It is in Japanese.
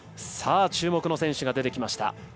注目の選手が出てきました。